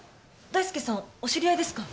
大介さんお知り合いですか？